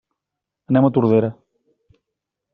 Anem a Tordera.